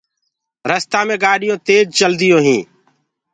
روڊو مي گآڏيونٚ تيج چلديونٚ هينٚ